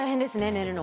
寝るの。